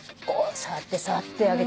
触って触ってあげてください。